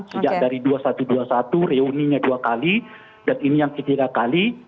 sejak dari dua ribu satu ratus dua puluh satu reuninya dua kali dan ini yang ketiga kali